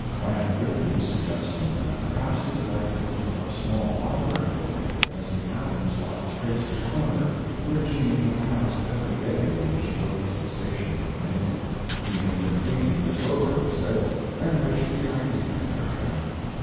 I had written, suggesting that perhaps he would like to put up a small library building, as the Adams lot faced the corner where Jean had passed every day when she rode to the station for the mail. He had been thinking this over, he said, and wished the idea carried out.